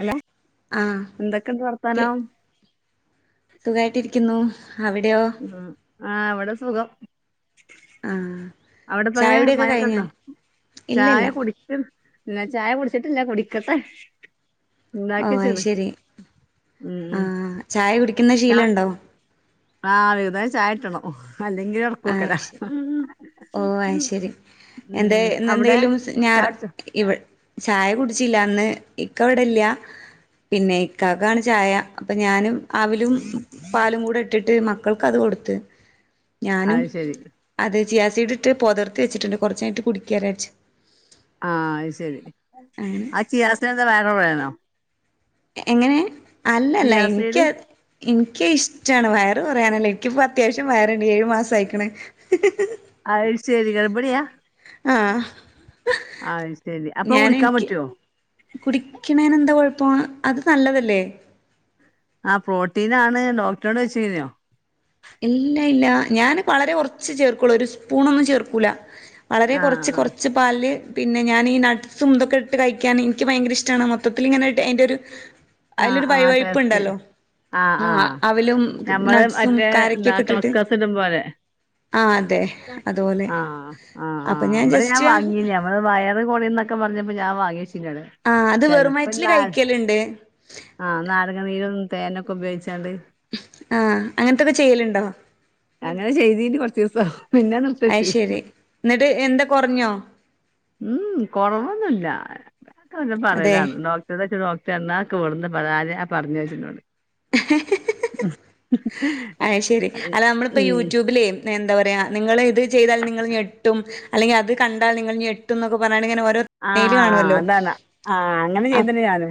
അല്ല ആഹ് എന്തൊക്കെണ്ട് കെ വർത്താനം സുഖായിട്ടിരിക്കുന്നു അവിടെയോ? ഉഹ് ആഹ് വിടെ സുഖം ആഹ് അവിടെപ്പങ്ങനെ ചായുടിയൊക്കെ കഴിഞ്ഞോ മഴൊക്കെണ്ടോ ചായ ഇല്ലല്ല കുടി ഇല്ല ചായകുടിച്ചിട്ടില്ല കുടിക്കട്ടേ ഓ അയ് ണ്ടാക്കിച്ചെള്ളൂ ശരി ഉഹ്ഹ് ആഹ് ചായ കുടിക്കുന്ന ശീലണ്ടോ? ആഹ് വൈകുന്നേരം ചായകിട്ടണം അല്ലെങ്കിൽ- ആഹ് ശരി ഓഹ് ആഹ് ശരി എന്താ ഉം അവിടെ ഇന്നെന്തേലും ചായ ഞായറാ കുടിച്ചോ ഇവ ചായകുടിച്ചില്ലാന്ന് ഇക്കവിടെല്ല പിന്നെ ഇക്കകാണ് ചായ അപ്പൊ ഞാനും ആവിലും പാലും കൂടെ ഇട്ടിട്ട് മക്കൾക്ക്അത് കൊടുത്ത് ഞാനും അത് ശരി അത് ചിയാസിട് ഇട്ട് പൊതർത്തി വെച്ചിട്ടുണ്ട് കുറച്ച് കയിഞ്ഞിട്ട് കുടിക്കാരന്നുച്ചു ആഹ് അത് ശരി ആ ചിയാസിടു എന്താ വേറെവേണോ എങ്ങനെ അല്ലല്ല ചിയാസീഡ് എനിക്കത് - എനിക്ക് ഇഷ്ടണ് വയറ് കുറയാനല്ലേ എനിക്കിപ്പോഅത്യാശ്യം വയറണ്ട് ഏഴു മാസം ആയിക്കണ് ആയിശരി ഗർബിണിയാ? ആഹ് ആ ശരി അപ്പൊ ഞാൻ കുടിക്കാൻ എനിക്ക് പറ്റുവോ കുടിക്കണേന് എന്താ കുഴപ്പം അത് നല്ലതല്ലേ ആ പ്രോട്ടീൻ ആണ് ഡോക്ടറോട് വെച്ച കുന്നോ ഇല്ല ഇല്ല ഞാന് വളരെ ഉറച്ച് ചേർക്കുള്ളൂ ഒരു സ്പൂണോന്നും ചേർക്കൂല വളരെ ആഹ് കുറച്ച് കുറച്ച് പ്പാല് പിന്നെ ഞാൻ ഈ നട്സും ഇതൊക്കെ ഇട്ട് കഴിക്കാൻ എനിക്ക് ഭയങ്കര ഇഷ്ടണ് മൊത്തത്തിൽ ഇങ്ങനെ ഇട്ട് അയിൻ്റെ ഒരു ആഹ് ആഹ് അതിലൊരു ആഹ് വൈവഴിപ്പ് ടെസ്റ്റ് ഉണ്ടല്ലോ ആഹ് ആ ആഹ് അവലും ഞമ്മള് നട്സും മറ്റേ എന്താ കാസ്കസിട്ടും പോലെ ആഹ് അതെ അതുപോലെ ആഹ് ആഹ് ആ അപ്പൊ അവിടെ ഞാൻ ജസ്റ്റ് വാങ്ങിയ നമ്മള് വയറ് കുടിന്നൊക്കെ പറഞ്ഞപ്പോ ഞാ വാങ്ങിയിച്ചില്ലാണ് ആഹ് അത് വെറുുംയറ്റില് കഴിക്കലുണ്ട് ആഹ് നാരങ്ങാ നീരൊന്നും തേനൊക്കെ ഉപയോഗിച്ചാണ്ട് ആ അങ്ങനത്തൊക്കെ ചെയ്യലുണ്ടാ അങ്ങനെ ചെയ്തീന് കൊറച്ച് ദിസം അയ് ശരി എന്നിട്ട് എന്താ കുറഞ്ഞോ ഉം കൊറവൊന്നുല്ല അതെ പറയതാണ് ഡോ ച നോട എന്നെ വിടുന്ന് പറ ആ പറഞ്ഞ വെച്ചോട് [inaudible] അയ് ശരി അല്ല നമ്മളിപ്പ ഉം യൂട്യൂബിലേ എന്താ പറയാ നിങ്ങ ഇത് ചെയ്താൽ നിങ്ങൾ ഞെട്ടും അല്ലെങ്കി അത് കണ്ടാൽ നിങ്ങൾ ഞെട്ടും ക്കെ പറഞാണ്ട് ഓരോ ആഹ് തമ്മനയില് ആ കാണുമല്ലോ അതാണ് ആഹ് അങ്ങനെ അപ് ചെയ്തിണ്ട് ഞാന്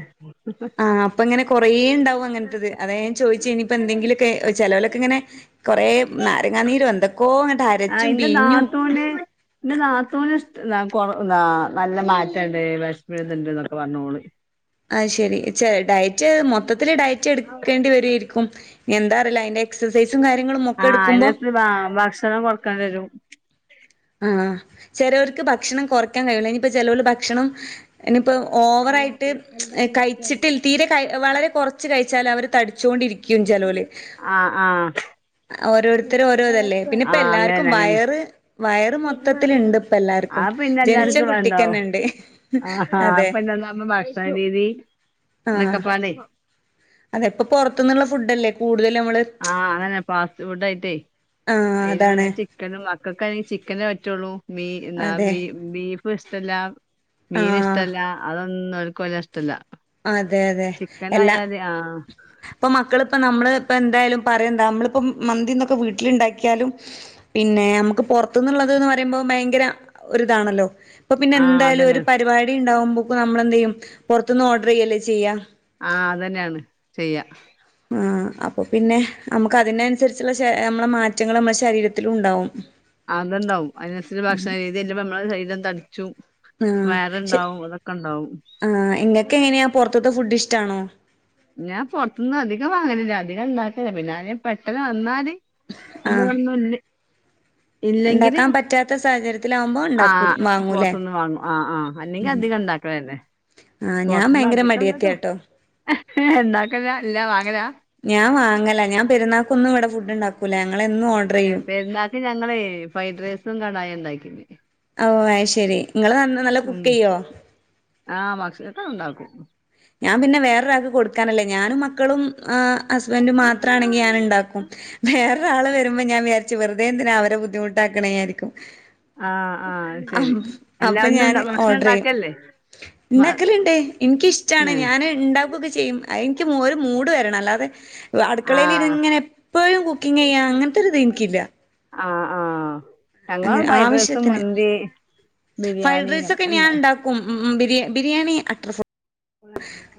ആഹ് അപ്പങ്ങനെ കുറേ ഉണ്ടാവും അങ്ങനത്തത് അതായ ഞാൻ ചോദിച്ച ഇനിയിപ്പൊ എന്തെിലൊക്കെ ചെലലൊക്കെ ഇങ്ങനെ കുറെ നാരങ്ങാനീരും എന്തൊക്കോ അങ്ങന അരച്ചും ബീഞ്ഞും ന്റെ നാത്തോന് [unintelligible] കൊ നല്ല മാറ്റണ്ട് വിഷപ്പിന് ത്ണ്ട് എന്നൊക്കെ പറഞ്ഞോള് ആയ്ശരി ഡയറ്റ് മൊത്തത്തില് ഡയറ്റ് എടുക്കേണ്ടി വരരിക്കും എന്താ അറിയില്ല അതിന്റെ എക്സസൈസും കാര്യങ്ങളും ഒക്കെ ആഹ് എടുക്കുമ്പോ അതിനത്ത് ഭക്ഷണം കൊറക്കേണ്ട വരും ആ ചെലർക്ക് ഭക്ഷണം കുറയ്ക്കാൻ കഴിയുള്ള ഇനിയിപ്പ ചെലര് ഭക്ഷണം ഇനിപ്പോ ഓവറായിട്ട് കഴിച്ചിട്ടില്ല തീരെ ക വളരെ കുറച്ച് കഴിച്ചാൽ അവർ തടിച്ചുകൊണ്ടിരിക്കും ആഹ് ആഹ് ഓരോരുത്തരും ഓരോ ഇതല്ലേ പിന്നെ ഇപ്പ എല്ലാവർക്കും വയറ് വയറ് മൊത്തത്തില്ണ്ട് ഇപ്പ അ എല്ലാർക്കും. പിന്നെ ജനിച്ച എല്ലാർക്കും വേണ്ടാവും കുട്ടിക്കന്നെണ്ട്. ആ അതെ അപ്പൊന്നമ്മ ഭക്ഷണരീതി ആഹ് എന്നക്കപ്പാലെ അതെ ഇപ്പൊ പുറത്തുന്നുള്ള ഫുഡ് അല്ലേ കൂടുതൽ നമ്മള് ആഹ് അതന്നെ ഫാസ്റ്റ് ഫുഡ് ആയിട്ടേ ആഹ് അതാണ് അ മക്കൾക്കണെ ചിക്കനേ പറ്റുള്ളൂ മീ എന്നാ അതെ ബീഫ് ഇഷ്ടല്ല മീൻ ആഹ് ഇഷ്ടല്ല അതൊന്നും ഓല്ക് ഇഷ്ടല അതെ അതെ എല്ലാ ആഹ് ഇപ്പൊ മക്കളിപ്പ നമ്മള് ഇപ്പ എന്തായാലും പറയ എന്താ നമ്മളിപ്പ മന്തിന്നൊക്കെ വീട്ടിലുണ്ടാക്കിയാലും പിന്നെ നമ്മുക്ക് പുറത്തുന്നുള്ളത് എന്ന് പറയുമ്പോ ഭയങ്കര ഒരിതാണല്ലോ അപ്പൊ പിന്നെ ആഹ് എന്തായാലും അതന്നെ ഒരു പരിപാടി ഉണ്ടാവകുമ്പോക്ക നമ്മള എന്തയ്യും പുറത്തുനിന്ന് ഓർഡർ ചെയ്യല്ലേ ചെയ്യാ ആഹ് അതന്നെയാണ് ചെയ്യാ ആ അപ്പൊ പിന്നെ നമ്മുക്ക് അതിനനുസരിച്ചുള്ള നമ്മളെ മാറ്റങ്ങൾ നമ്മുടെ ശരീരത്തില ഉണ്ടാവും അതുണ്ടാവും അതിനത്തി ഭക്ഷണ രീതില്ലപ്പ നമ്മളെ സാരിരം തടിച്ചു വേറെ ഇണ്ടാവും അതൊക്കെ ഇണ്ടാവും ആ ഇങ്ങക്കെ എങ്ങനെയാ പുറത്തത്തെ ഫുഡ് ഇഷ്ടണോ ഞാൻ പുറത്തന്നും അധികം വാങ്ങല്ല അധികം ഇണ്ടാക്കല പിന്നെ ആരേലും പെട്ടെനെ വന്നാല് ആഹ് അമ്മളോന്നുല്ലേ ഇല്ലെങ്കില് ഇണ്ടാക്കാൻ പറ്റാത്ത സാഹചര്യത്തിലാവുമ്പോ ആ ഇണ്ടാക്കൂ വാങ്ങൂലേ പൊർത്ത്ന്ന് വാങ്ങും ആ ആ അല്ലെങ്കി അധിക ഇണ്ടാ ക്കലന്നെ ആ ഞാൻ ഭയങ്കര മടിയത്തിയ ട്ടോ ഇണ്ടാക്കല ല്ല വാങ്ങല ഞാൻ വാങ്ങല ഞാൻ പെരുന്നാക്കൊന്നും ഇവടെ ഫുഡ്ണ്ടാ ക്കൂല ഞങ്ങളെന്നു ഓ ഏ പെര്ന്നാക്ക് ഞങ്ങളെ ഫ്രൈഡ്രൈസും കടായ ഇണ്ടാക്കി ഔ അയി ശരി ഇങ്ങള് ന നല്ല കുക്ക് ചെയ്യോ ആ ഭക്ഷണോക്കെ ഇണ്ടാക്കും ഞാൻ പിന്നെ വേറൊ ഒരാക്ക് കൊട്ക്കാനല്ലേ ഞാനും മക്കളും ആ ഹസ്ബെന്റും മാത്രാണെങ്കി ഞാന് ഇണ്ടാക്കും വേറൊരാള് വരുമ്പം ഞാൻ വിചാരിച്ചു വെർതെ എന്തിന അവരെ ബുദ്ധിമുട്ടാക്ക്ണെ വിയായിരിക്കും ആഹ് ആഹ് ശരി അഹ് അല്ല അപ്പ ഒന്നും ഞാന് ഭക്ഷണം ഓഡ്രയ്യും ഉണ്ടാക്കല്ലേ മ ഇണ്ടാക്കല്ണ്ട് ഇന്ക്കിഷ്ടാണ് ന്ന് ഞാന് ഇണ്ടാക്കൊക്കെ ചെയ്യും എൻക്ക് ഒരു മൂഡ് വരണം അല്ലാതെ അടുക്കളയില് ര് ആഹ് ഇങ്ങനെ എപ്പഴും കുക്കിങ്ങ യ്യാ അങ്ങൻത്തൊരു ഇത് എൻക്കില്ല ആ ആ ഞങ്ങള് അങ്ങനെ ഫ്രൈഡ്രൈസും ആവശ്യത്തിന് മന്തി ബിരിയാണി ഒക്കെ ഇണ്ടാ ഉം ഉം ഉം ബിരി ബിയാണി അത്ര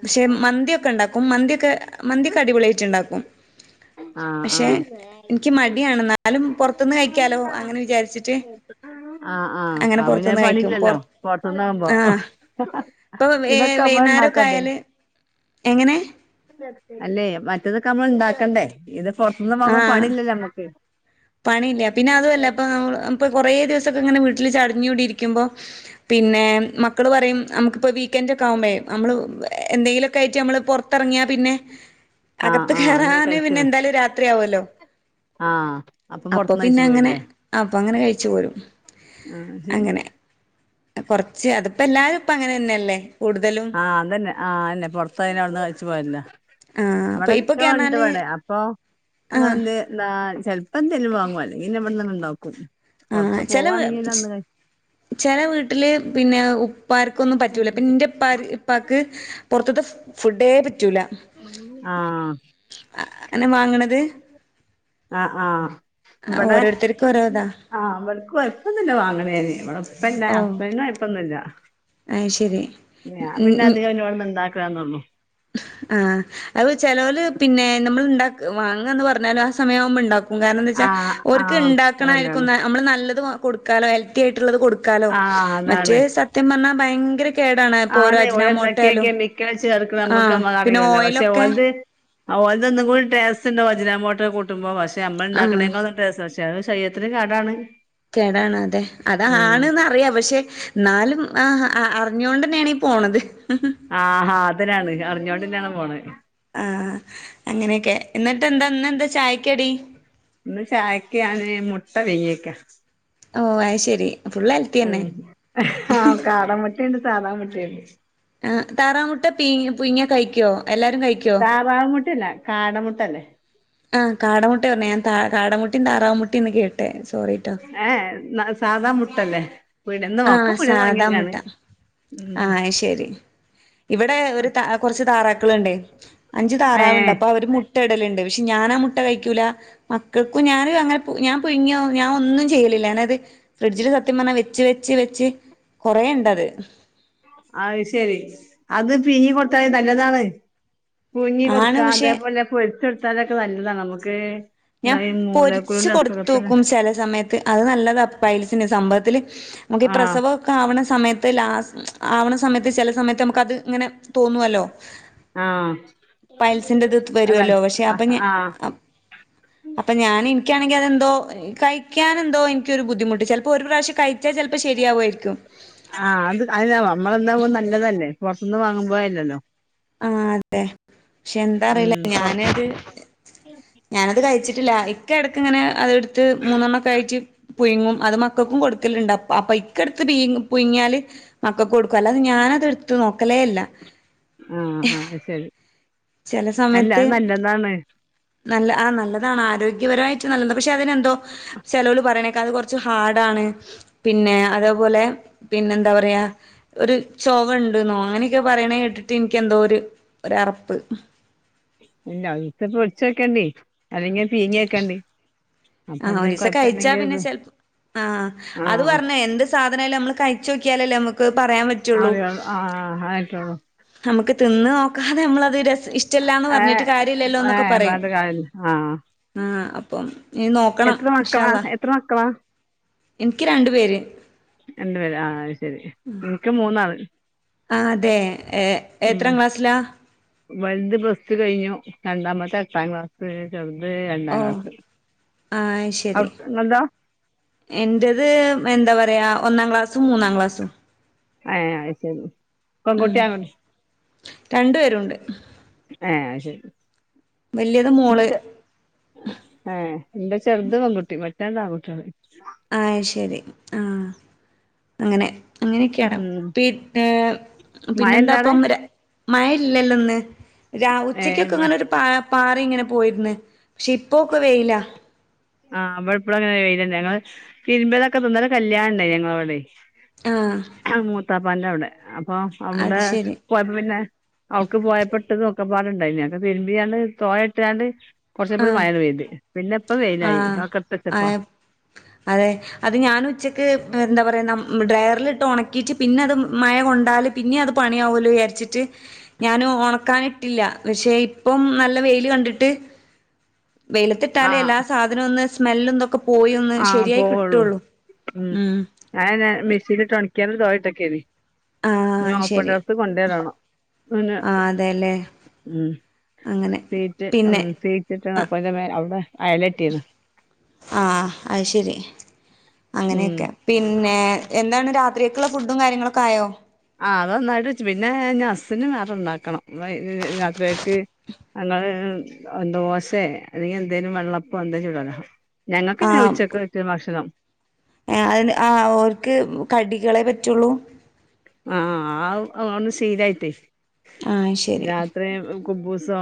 പക്ഷെ മന്തിയൊക്കെ ഇണ്ടാക്കും മന്തിയൊക്കെ മന്തി ഒക്കെ അടിപൊളിയായ്ട്ടുണ്ടാക്കും ആഹ് പക്ഷെ ആഹ് ഇൻക്കി മടിയാണ് ന്നാലും പോർത്ത്ന്ന് കഴിക്കാലോ അങ്ങനെ വിചാരിച്ചിട്ട് ആ ആ അങ്ങനെ അപോ പിന്നെ പുറത്തുന്ന് കഴിക്കും പണില്ലല്ലോ പൊർ പോർത്ത്ന്നാവുമ്പോ ആഹ് ഇപ്പൊ വെ ഇതൊക്കെ അമ്മള് വൈന്നേരൊക്കെ ഇണ്ടാക്കണ്ടേ ആയാല് എങ്ങനെ അല്ലെ മറ്റതൊക്കെ അമ്മള് ഇണ്ടാക്കണ്ടേ ഇത് പൊർത്ത് ന്ന് വാങ്ങുമ്പം ആഹ് പണില്ലല്ലോ അമ്മക്ക് പണിയില്ല പിന്ന അതു അല്ലപ്പൊ ഇപ്പൊ കൊറേ ദിവസൊക്കെ ഇങ്ങനെ വീട്ടില് ചട്ഞ് കൂടി ഇരിക്കുമ്പോ പിന്നെ മക്കള് പറയും നമുക്കിപ്പോ വീക്കെന്റ് ഒക്കെ ആവുമ്പയെ നമ്മള് എന്തെങ്കിലൊക്കെ ആയിട്ട് നമ്മള് പൊർ ത്തറങ്ങിയാ പിന്നെ ആഹ് അകത്ത് ആഹ് അന്നേ കെറാന് കഴിച്ച് പിന്നെ എന്തായാലു രാത്രിയാവല്ലോ ആഹ്. അപ്പം അപ്പൊ പൊറത്തുന്ന് പിന്നെ കഴിച്ചു അങ്ങനെ പോയില്ലേ അപ്പ അങ്ങനെ കഴിച്ചു പോരും ആഹ് ശരി അങ്ങനെ. കൊർച്ച് അതിപ്പ എല്ലാരും ഇപ്പ അങ്ങനെന്നെല്ലേ കൂടുതലും ആ അതന്നെ ആ അഅന്നെ പൊർത്തായ അവ്ട്ന്ന് കഴിച്ചു പോര്ല ആഹ് അപ്പൊ ഇപ്പൊക്കെ ഇവടെക്കെണ്ട് പറഞ്ഞാല് വടെ അ ഇപ്പൊ ആഹ് അങ്ങെനെന്തേ എന്താ ചെൽപ്പം ന്തേലും വാങ്ങു അല്ലങ്കി പിന്നെ നമ്മള് ഇവ്ട്ന്നന്നെ ഇണ്ടാക്കും ആ പൊറത്ത് ചെല വ് പോവാണെങ്കി അന്ന് കഴി ചെല വ്ട്ടി ല് പിന്നെ ഉ ഉപ്പാർക്കൊന്നും പറ്റൂല്ല ഇപ്പ ഇന്റെപ്പ ഇപ്പാക്ക് പൊർത്ത്ത്തെ ഫുഡേ പറ്റൂല ആഹ് അങ്ങനെ വാങ്ങണത് അ ആഹ് ഓരോര്ത്തര് ആ വട്ക്ക് കോയപ്പൊന്നുല്ല വാങ്ണെന് ഇവടെ ഉപ്പ ഇല്ല ഓഹ് ഹസ്ബൻഡ് ന് കോയപ്പൊന്നുല്ല അയ്ശരി ഞാൻ പിന്നെ അധികം പിന്നെ ഇവടെ ഇണ്ടാക്കാന്നൊള്ളൂ ആ അവ് ചേലോല് പിന്നെ നമ്മള് ഇണ്ടാ വാങ്ങാന്ന് പറഞ്ഞാലും ആ സമയം ആവുമ്പോ ഇണ്ടാ ഉം കാരണം ന്ന് വെച്ചാ ആഹ് ഓര്ക്ക് ആഹ് അതന്നെയാണ് ഇണ്ടാക്ക്ണായിരിക്കുംന നമ്മള് നല്ലത് കൊടുക്കാലോ ഹെ ൽത്തിയായ്ട്ട്ള്ളത് കൊടുക്കാലോ ആഹ് മറ്റേ അതാണ് സത്യം പർഞ്ഞാ ഭയങ്കര കേടാണ് ഇപ്പോ ഓരോ അജിനാമോട്ടയാലും [unintelligible] അമ്മക്ക് ആഹ് അമ്മളെ പിന്നെ അറിയല്ലോ പക്ഷെ ഓയിലൊക്കെ ഓൽത് ഓൽത് ഒന്നും കൂടി ടെസ്റ്റ് ഇണ്ടാവും അജിനാമോട്ടോ കുട്ടുമ്പം പക്ഷെ അമ്മൾ ആഹ് ഇണ്ടാക്ക്ണെകാ ടെസ്റ്റാ പഷേ അത് ശരീരത്തിന് കെടാണ് കേടാണ് അതെ അതാ ആണ്ന്ന് അറിയാ പക്ഷെ ന്നാലും ആ അർഞ്ഞുകൊണ്ടന്നെണ് പോണത് ആഹാ അതന്നെണ് അറിഞ്ഞോണ്ടന്നെണ് പോണെ ആ അങ്ങനെയൊക്കെ എന്നട്ട് എന്താ ഇന്ന് എന്താ ചായക്കടി ഇന്ന് ചായക്ക് ഞാന് മുട്ട പീങ്ങിയേക്ക ഓഹ്. ആയ് ശരി. ഫുള്ളെ ഉം. ആഹ് കാട മുട്ടേണ്ട്, സാധാ മുട്ടേണ്ട്. ആഹ്. താറാമുട്ട പീങ്ങി പുഴിങ്ങിയാ കഴിക്കോ അല്ലാരും കഴിക്കോ? വാവ് മുട്ടേല്ല. കാടമുട്ടല്ലേ ആഹ്. കാടമുട്ടേർഞ്ഞേ. ഞാ താ കാടമുട്ടിം താറവ്മുട്ടിംന്ന് കേട്ടേ. സോറിട്ടൊ. ഏഹ് ന്ന സാദാ മുട്ടല്ലേ പീടിയേന്ന് ആഹ്. ഒക്കെ പീടിയേന്ന് സാദാമുട്ട. വാങ്ങിയന്നെയാണ് ഉം ആയ് ശരി. ഇവടെ ഒര് ത കൊർച്ച് താറാക്കള് ണ്ടെ. അഞ്ച് താറാവ്ണ്ട്. ഏഹ് അപ്പൊ അവര് മു ട്ടടല്ണ്ട്. പക്ഷെ ഞാനാ മുട്ട കഴിക്കൂലാ മക്കൾക്കും ഞാന് അങ്ങനെ പു ഞാ പുഴ്ങ്ങിയൊ ഞാ ഒന്നും ചെയ്യലില്ല. ഞാനത് ഫ്രിഡ്ജില് സത്യം പർഞ്ഞാ വെച്ച്, വെച്ച്, വെച്ച് കൊറേണ്ടത്. അയ് ശരി. അത് പീങ്ങി കൊട്ത്താ നല്ലതാണ്. പുഴുങ്ങി ആണ് കൊടുക്കാ പക്ഷെ അതേപോലെ പൊര്ച്ചൊട്ത്താലൊക്കെ നല്ലതാണ് നമുക്ക് ഞാ എന്താ ഈ പൊര്ച്ച് മൂലക്കുരുവിന്റെ അസുഖത്തിന് കൊട്ത്തോക്കും ചെല സമയ ത്ത്. അത് നല്ലതാ പൈൽസിന്. സംഭവത്തില് നമുക്ക് ഈ ആഹ് പ്രസവോ ക്കാവ്ണ സമയത്ത് ലാസ് ആവ്ണ സമയത്ത് ചെല സമയത്ത് ന് അമുക്കത് ങ്ങനെ തോന്നുവല്ലോ ആഹ് പൈൽസിന്റെത് അതാണ് വരുവല്ലോ. പക്ഷെ അപ്പൊ ആഹ് ഞാൻ ആഹ് അ അപ്പഞാന് ഇൻക്കാണെങ്കി അതെന്തോ കഴിക്കാനെന്തോ ഇൻകൊരു ബുദ്ധിമുട്ട്. ചെൽപ്പോ ഒരു പ്രാവശ്യം കഴി ച്ചാ ചെൽപ്പോ ശരിയാവ്വോയിരിക്കും. ആഹ് അത് അ [unintelligible] മ്മളന്നാവുമ്പോ നല്ലതല്ലേ. പൊർത്ത് ന്ന് വാങ്ങുമ്പോ അല്ലല്ലോ ആഹ് അതെ. ക്ഷെ എന്താ ഉം അറിയില്ല പൊറത്ത് ഞാനത് ഞാനത് കഴിച്ചിട്ടില്ല. ഇക്ക എട്ക്ക് ങ്ങനെ അഹ്ട്ത്ത് മൂന്നെണ്ണൊക്കായിറ്റ് പുഴുങ്ങും. അത് മക്കക്കും കൊട്ക്കല്ണ്ട്. അപ്പ അപ്പൊ ഇക്ക ട്ത്ത് പീങ്ങു പുഴ്ങ്ങിയാല് മക്കക്കുകൊടുക്കും. അല്ലാതെ ഞാനത്ട്ത്ത് നോക്കലേ ല്ല. ആഹ് ആഹ് അഹ് ശരി. ചെല അല്ല സമയത്ത് അത് നല്ലതാണ് നല്ല ആഹ് നല്ലതാണ്. ആരോഗ്യപരമായിട്ട് നല്ലതാ. പക്ഷെ അത് നെന്തോ ചെലോല് പറിണേക്കാ അത് കൊർച്ച് ഹാഡാണ്. പിന്നെ അതേപോലെ പിന്നെന്താ പറിയാ ഒര് ചൊവ ണ്ട്ന്നോ അങ്ങനെയൊക്കെ പറയണെ കേട്ട്ട്ട് ഇനിക്കിന്തോ ര് ഒരറപ്പ്. ഹ ഇല്ല. ഒരീസ പൊര്ച്ചോക്കണ്ടി. അല്ലെങ്കി പീങ്ങിയേക്കണ്ടി. ആഹ്. ഒരീസ കഴിച്ചാ പിന്നെ ചെൽപ ആഹ്. അത് ആഹ് പർഞ്ഞ് എന്ത് സാധനായാലു അമ്മള് കഴിച്ചോ ക്കിയാലല്ലേ അമുക്ക് പറയാപ അറിയൊൾ ആഹ് ആഹ് ആഹ് ആ റ്റൊള്ളൂ നമുക്ക് തിന്ന് നോക്കാതെ അമ്മളത് രസ ഇഷ് ടല്ലാന്ന് ഏഹ് പർഞ്ഞിട്ട് കാര്യല്ലല്ലോന്നൊക്കെ ഏഹ് പറയും. പറഞ്ഞിട്ട് കാര്യല്ല ആഹ് ആഹ് അപ്പം നി നോക്കണം. എത്ര ഇൻഷാ മക്കളാ അല്ലാ. എത്ര മക്കളാ ഇൻക്ക് രണ്ട് പേര്. രണ്ട് പേര്. ആഹ് ആഹ് ശെരി. ഇൻക്ക് മൂന്നാള് ആഹ് അതെ. ഏഹ് എത്രാം ക്ലാസ് ലാ? വൽത് പ്ലസ്ടു കഴിഞ്ഞു. രണ്ടാമത്തെ എട്ടാം ക്ലാസ്. ചെർത് ഓഹ് രണ്ടാക്ലാസ്. ആഹ് ശ [unintelligible] ങ്ങൾതാ എൻ്റേത് എന്താ പറയാ ഒന്നാ ക്ലാസ്സും, മൂന്നാ ക്ലാസ്സും ഏഹ് അഹ് ശരി. ഉം. പെൺകുട്ടിയാ രണ്ടേ രുണ്ട്. ഏഹ് അഹ് ശരി. വലുത് മോള് ഏഹേ ഇന്റെ ചെറ്ത് പെങ്കുട്ടി മറ്റെ രണ്ടും ആങ്കുട്ടിയെണ് ആഹ് ശെരി ആ അങ്ങനെ അങ്ങനെക്കെയാണ് ഉം പിന്നേ പിന്നെന്താ മഴണ്ടവിടെ പ്പം രാ മഴ ഇല്ലല്ലെന്ന് രാവ് ഏഹ് ഇവ ഉച്ചക്കൊക്കെങ്ങനൊരു പാ പാറിങ്ങനെ പോയിര്ന്ന് പക്ഷെ ഇപ്പോക്കെ വെയിലാ ആഹ് ഇബടെപ്പളങ്ങനെന്നെ വെയിലെന്നെ ഞങ്ങള് തിരുമ്പിയതൊക്കെപ്പെ ഇന്നലെ കല്യാണണ്ടായിനി ഞങ്ങളവ്ടെ ആഹ് ആഹ് മൂത്താപ്പാന്റവ്ടെ അപ്പൊ അവ്ടെ അത് ശരി പോയപ്പോ പിന്നെ അവ്ട്ക്ക് പോയപ്പെട്ടതും ഒക്കെപാടെണ്ടായിനി അതൊക്കെ തിരുമ്പിയാണ്ട് തോരട്ടാണ്ട് കൊറച്ചയ്ഞപ്പോത്തിന് ആഹ് മഴാണ്ട് പെയ്ത് പിന്നെ വെയിലായി ആഹ് അതൊക്കെ ഇട്ത്തച്ചപ്പോ അയം അതെ അത് ഞാനുച്ചക്ക് എന്താ പറയാ നമ് ഡ്രയർല്ട്ട് ഒണക്കീട്ട് പിന്നെ അത് മഴ കൊണ്ടാല് പിന്നിയത് പണിയാവലോയാര്ച്ചിട്ട് ഞാനു ഒണക്കാനിട്ടില്ല പക്ഷേ ഇപ്പം നല്ല വെയില് കണ്ടിട്ട് വെയിലത്തിട്ടാലേ എല്ലാ ആഹ് സാധനുവൊന്ന് സ്മെല്ലും ഇതൊ ക്കെ പോയി ഒന്ന് ആഹ് ശെരിയായി കിട്ടൊള്ളൂ മ് ഞാനയന്നെ മിഷീല്ട്ടൊണിക്കിയാണ്ടാണ്ട് തോരട്ടെക്കേനി ഇഞ് ആഹ് ഓപ്പൺ ശരി ടെറസ്സ് കൊണ്ടോയ്ടണം. ആന്നെ ആഹ് അതെല്ലേ മ് അങ്ങനെ സീറ്റ് പിന്നെ മ് സീറ്റ് ട്ട്ണ് ആഹ് അപ്പയിൻ്റെമേലെ ഔടെ അയലെട്ടീണ് ആഹ് അഹ്ശെരി ഉം അങ്ങനെയെക്കെ പിന്നെ എന്താണ് രാത്രിയക്ക്ള്ളെ ഫുഡും കാര്യങ്ങളൊക്കായോ? ആ അതൊന്നായിട്ട് വെച്ചു പിന്നെ ഇഞ് ഹസ്സിന് വേറെണ്ടാക്കണം വയ് രാത്രിയേക്ക് ഞങ്ങള് ദോശേ അല്ലെങ്കിയെന്തേലും വെള്ളപ്പൊ എന്തേം ചുടല ഞങ്ങക്ക്ന്നെ ഉച്ചക്ക് വെച്ച ഭക്ഷണം ഏഹേ അയെന്നെ ആ ഓര്ക്ക് കടികളെ പറ്റൊള്ളൂ? ആഹ് ആഹാ എന്നും ശീലായിട്ടേ ആഹ് ശരി രാത്രി കുബൂസോ,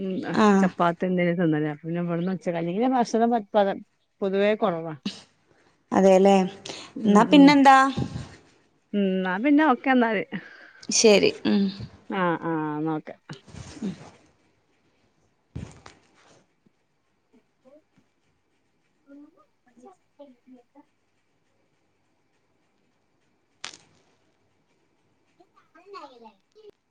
മ് ആഹ് ചപ്പാത്തിയെന്തേലും തിന്നലാ പിന്നെ ഇവട്ന്ന് ഒച്ചക്കഞി പിന്നെ ഭക്ഷണം പറ്റെ പക പൊതുവേ കൊറവാ അതേലേ ഉം ന്നാ ഉം പിന്നെന്താ ന്നാ പിന്നെ ഓക്കെന്നാല് ശെരി മ് ആ ആ ഇന്നാ ഓക്കെ ഉം [inaudible] [inaudible]